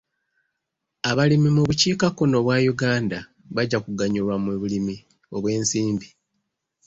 Abalimi mu bukiikakkono bwa Uganda bajja kuganyulwa mu bulimi obw'ensimbi.